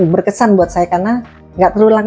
berkesan buat saya karena nggak terulang